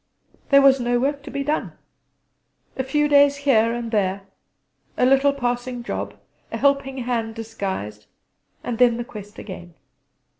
There was no work to be done. A few days here and there; a little passing job; a helping hand disguised; and then the quest again.